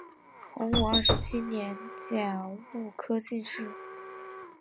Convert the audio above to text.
洪武二十七年甲戌科进士。